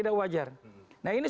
pak gubernur juga